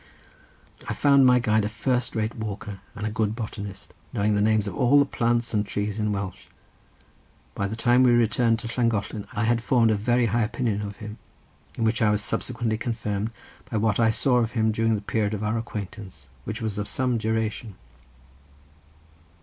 I found my guide a first rate walker, and a good botanist, knowing the names of all the plants and trees in Welsh. By the time we returned to Llangollen I had formed a very high opinion of him, in which I was subsequently confirmed by what I saw of him during the period of our acquaintance, which was of some duration.